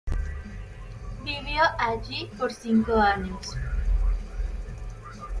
Vivió allí por cinco años.